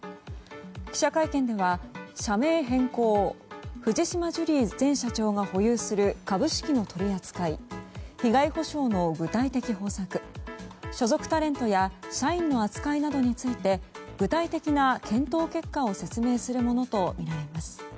記者会見では社名変更藤島ジュリー前社長が保有する株式の取り扱い被害補償の具体的方策所属タレントや社員の扱いなどについて具体的な検討結果を説明するものとみられます。